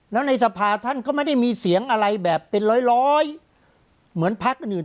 แล้วในสภาท่านก็ไม่ได้มีเสียงอะไรแบบเป็นร้อยเหมือนพักอื่น